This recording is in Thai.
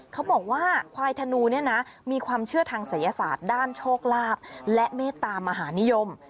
เขาบอกว่าควายธนูเนี่ยนะมีความเชื่อทางศัยศาสตร์ด้านโชคลาภและเมตตามหานิยม